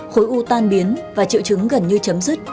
khối u tan biến và triệu chứng gần như